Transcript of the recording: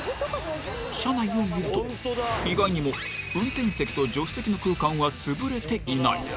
車内を見ると意外にも運転席と助手席の空間は潰れていない。